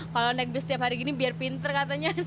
kalau naik bis tiap hari gini biar pinter katanya